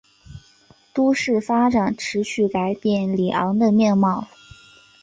都市发展持续改变里昂的面貌。